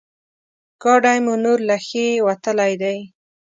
ګاډی مو نور له ښې وتلی دی.